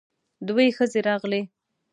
دوې ښځې راغلې.